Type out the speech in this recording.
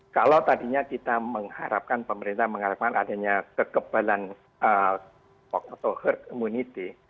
kalau tadinya kita mengharapkan pemerintah mengharapkan adanya kekebalan atau herd immunity